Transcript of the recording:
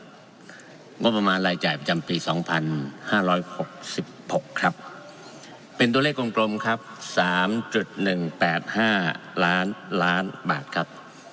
งบประมาณรายจ่ายประจำปี๒๕๖๖ครับเป็นตัวเลขกลมครับ๓๑๘๕ล้านล้านบาทครับ